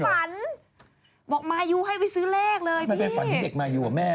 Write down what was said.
มายูแต่ว่ามันน่าจะฝันเด็กมายูเหรอแม่